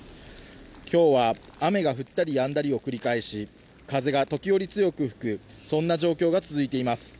きょうは雨が降ったりやんだりを繰り返し、風が時折強く吹く、そんな状況が続いています。